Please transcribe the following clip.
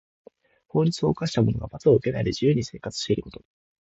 法律を犯した者が罰を受けないで自由に生活していること。